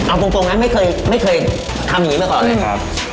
เอาตรงนะไม่เคยไม่เคยทำอย่างนี้มาก่อนเลยครับ